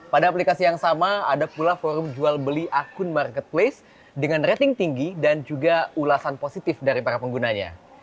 pada aplikasi yang sama ada pula forum jual beli akun marketplace dengan rating tinggi dan juga ulasan positif dari para penggunanya